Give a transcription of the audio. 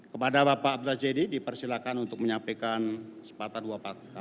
kepada bapak abdul jaidi dipersilakan untuk menyampaikan sepatah dua kata